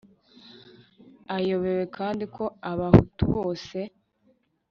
ayobewe kandi ko Abahutu bose